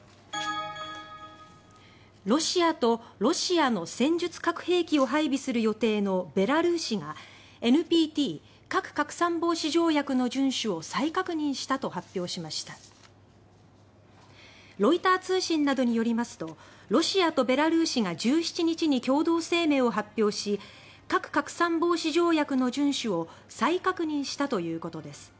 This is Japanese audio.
ロシアとロシアの戦術核を配備する予定のベラルーシがＮＰＴ・核拡散防止条約の順守を再確認したと発表しましたロイター通信などによりますとロシアとベラルーシが１７日に共同声明を発表し核拡散防止条約の順守を再確認したということです。